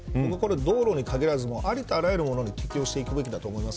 道路に限らず、ありとあらゆるものに適用してくるべきものだと思います。